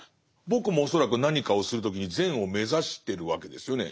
僕も恐らく何かをする時に善を目指してるわけですよね